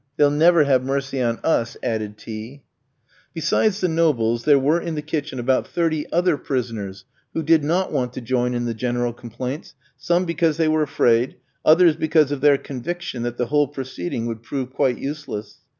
"They'll never have mercy on us," added T vski. Besides the nobles there were in the kitchen about thirty other prisoners who did not want to join in the general complaints, some because they were afraid, others because of their conviction that the whole proceeding would prove quite useless.